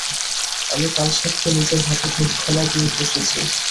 আমি কালসাপকে নিজের হাতে দুধকলা দিয়ে পুষেছি।